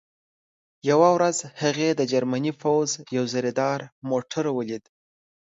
یوه ورځ هغې د جرمني پوځ یو زرهدار موټر ولید